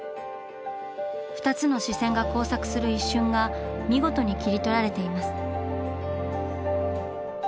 二つの視線が交錯する一瞬が見事に切り取られています。